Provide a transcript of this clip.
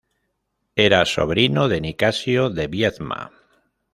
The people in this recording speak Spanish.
Era sobrino de Nicasio de Biedma.